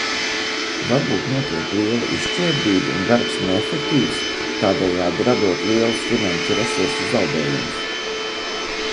Varbūt notiek liela izšķērdība un darbs ir neefektīvs, tādējādi radot lielus finanšu resursu zaudējumus?